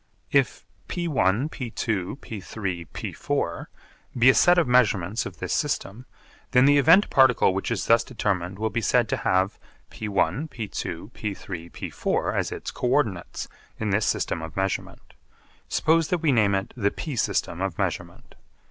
If (p₁, p₂, p₃, p₄) be a set of measurements of this system, then the event particle which is thus determined will be said to have p₁, p₂, p₃, p₄ as its co ordinates in this system of measurement. Suppose that we name it the p system of measurement.